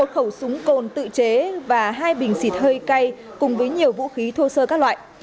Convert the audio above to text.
sáu khẩu súng cồn tự chế và hai bình xịt hơi cay cùng với nhiều vũ khí thô sơ các loại